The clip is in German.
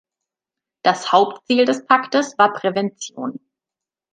Das Hauptziel des Paktes war Prävention.